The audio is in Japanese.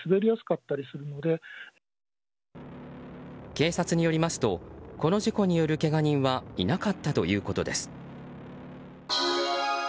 警察によりますとこの事故によるけが人はいなかったということです。